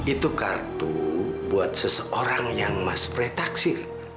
itu kartu buat seseorang yang mas pre taksir